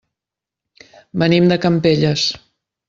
Venim de Campelles.